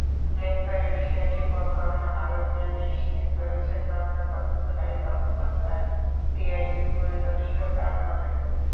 গ্রেপ্তারের বিষয়টি প্রথম আলোকে নিশ্চিত করেছেন মামলার তদন্তকারী কর্মকর্তা সিআইডির পরিদর্শক আরমান আলী।